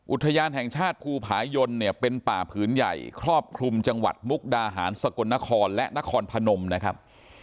อุทยานแห่งชาติภูผายนเนี่ยเป็นป่าผืนใหญ่ครอบคลุมจังหวัดมุกดาหารสกลนครและนครพนมนะครับ